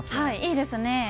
いいですね。